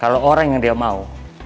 kalau orang yang dia mau